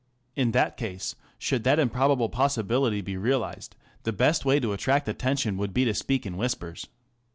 In that case, should that improbable possibility be realized, the best way to attract attention would be to speak in whispers.